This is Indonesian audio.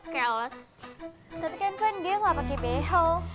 keos tapi kan png lo pake behel